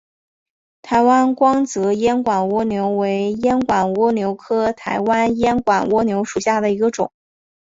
台湾光泽烟管蜗牛为烟管蜗牛科台湾烟管蜗牛属下的一个种。